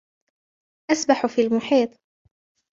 أسبح في المحيط.